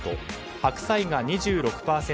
白菜が２６％